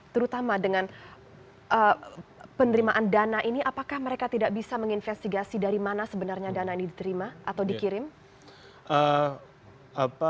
terutama dengan penerimaan dana ini apakah mereka tidak bisa menginvestigasi dari mana sebenarnya dana ini diterima atau dikirim